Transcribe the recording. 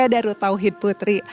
darut tauhid putri